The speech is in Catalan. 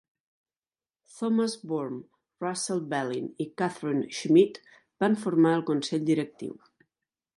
Thomas Vorm, Russell Bellin i Catherine Schmidt van formar el Consell Directiu.